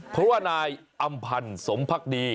เพราะว่านายอำพันธ์สมภักดี